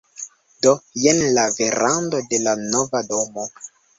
Do, jen la verando de la nova domo